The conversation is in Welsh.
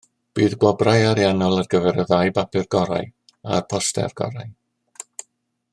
Bydd gwobrau ariannol ar gyfer y ddau bapur gorau a'r poster gorau